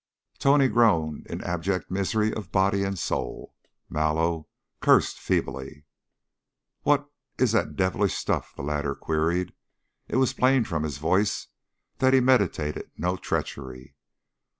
Tony groaned in abject misery of body and soul. Mallow cursed feebly. "What is that devilish stuff?" the latter queried. It was plain from his voice that he meditated no treachery.